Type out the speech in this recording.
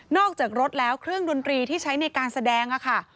จากรถแล้วเครื่องดนตรีที่ใช้ในการแสดงค่ะ